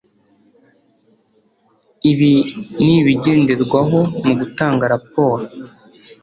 ibi ni ibigenderwaho mu gutanga raporo